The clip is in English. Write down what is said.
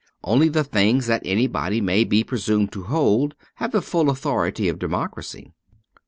Only the things that anybody may be pre sumed to hold have the full authority of democracy.